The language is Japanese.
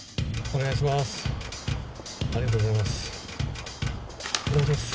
お願いします。